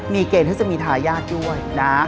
มีเกณฑ์ที่จะมีทายาทด้วยนะ